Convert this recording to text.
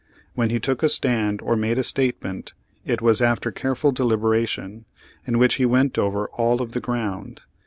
When he took a stand or made a statement, it was after careful deliberation, in which he went over all of the ground.